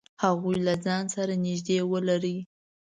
هغوی له ځان سره نږدې ولری.